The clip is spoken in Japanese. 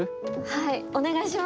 はいお願いします。